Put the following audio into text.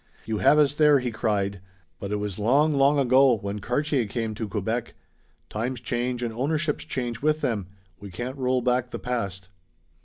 "You have us there!" he cried, "but it was long, long ago, when Cartier came to Quebec. Times change and ownerships change with them. We can't roll back the past."